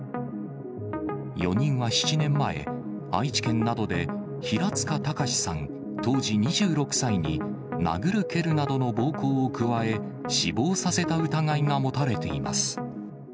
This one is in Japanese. ４人は７年前、愛知県などで、平塚崇さん当時２６歳に殴る蹴るなどの暴行を加え、死亡させた疑いが持たれています。